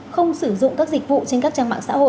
không sử dụng các dịch vụ trên các trang mạng xã hội